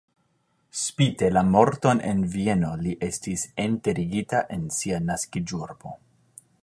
Spite la morton en Vieno li estis enterigita en sia naskiĝurbo.